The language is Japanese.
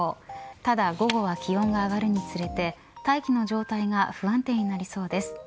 ただ午後は気温が上がるにつれて大気の状態が不安定になりそうです。